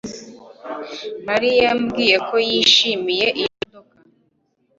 Marie yambwiye ko yishimiye iyo modoka